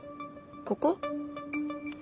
ここ？